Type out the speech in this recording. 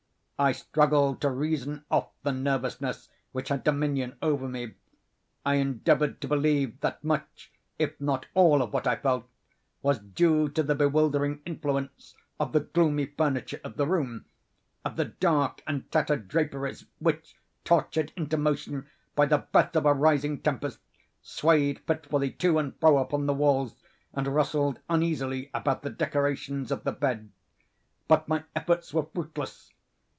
I struggled to reason off the nervousness which had dominion over me. I endeavored to believe that much, if not all of what I felt, was due to the bewildering influence of the gloomy furniture of the room—of the dark and tattered draperies, which, tortured into motion by the breath of a rising tempest, swayed fitfully to and fro upon the walls, and rustled uneasily about the decorations of the bed. But my efforts were fruitless.